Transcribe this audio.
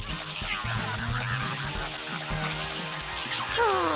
はあ。